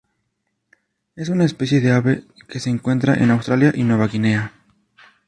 Es una especie de ave que se encuentra en Australia y Nueva Guinea.